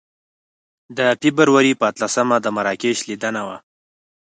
د فبروري په اتلسمه د مراکش لیدنه وه.